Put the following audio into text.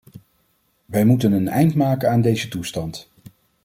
Wij moeten een eind maken aan deze toestand.